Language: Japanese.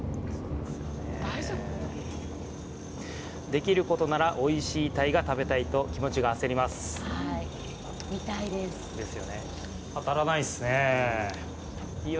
「できることならおいしい鯛が食べたい」と、気持ちが焦ります。